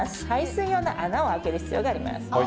排水用の穴を開ける必要があります。